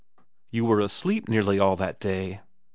' You were asleep nearly all that day.